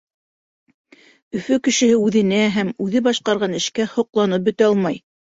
Өфө кешеһе үҙенә һәм үҙе башҡарған эшкә һоҡланып бөтә алмай.